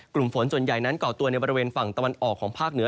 กลุ่มฝนส่วนใหญ่นั้นก่อตัวในบริเวณฝั่งตะวันออกของภาคเหนือ